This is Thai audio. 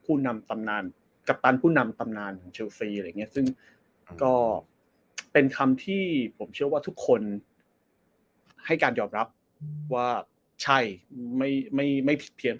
ผู้นำตำนานกัปตันผู้นำตำนานของเชลซีอะไรอย่างเงี้ยซึ่งก็เป็นคำที่ผมเชื่อว่าทุกคนให้การยอมรับว่าใช่ไม่ไม่เพียง